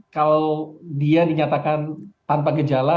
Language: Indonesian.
kalau dia dinyatakan tanpa gejala